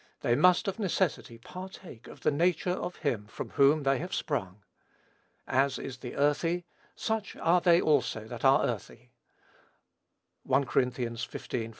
They must, of necessity, partake of the nature of him from whom they have sprung. "As is the earthy, such are they also that are earthy." (1 Cor. xv. 48.)